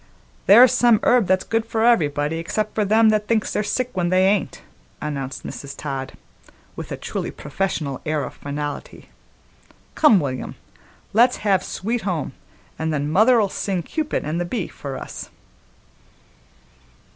"There's some herb that's good for everybody, except for them that thinks they're sick when they ain't," announced Mrs. Todd, with a truly professional air of finality. "Come, William, let's have Sweet Home, an' then mother'll sing Cupid an' the Bee for us."